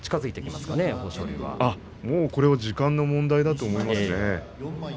それはもう時間の問題だと思いますね。